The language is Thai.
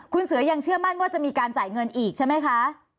คุณเสือยังเชื่อมั่นว่าจะมีการจ่ายเงินอีกใช่ไหมคะ